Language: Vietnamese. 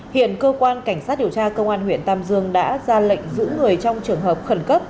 hiện cơ quan cảnh sát điều tra công an huyện tam dương đã ra lệnh giữ người trong trường hợp khẩn cấp